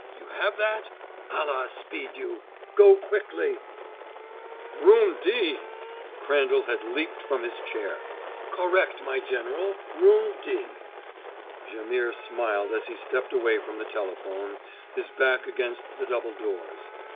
You have that? Allah speed you. Go quickly!" [Illustration: "There is work for me here."] "Room D!" Crandall had leaped from his chair. "Correct, my General Room D." Jaimihr smiled as he stepped away from the telephone, his back against the double doors.